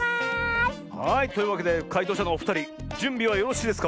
はいというわけでかいとうしゃのおふたりじゅんびはよろしいですか？